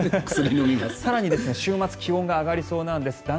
更に週末気温が上がりそうなんです。